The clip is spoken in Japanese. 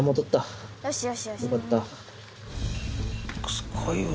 すごいわ。